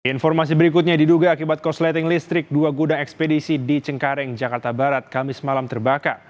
informasi berikutnya diduga akibat korsleting listrik dua gudang ekspedisi di cengkareng jakarta barat kamis malam terbakar